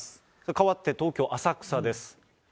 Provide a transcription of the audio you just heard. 変わって東京・浅草です。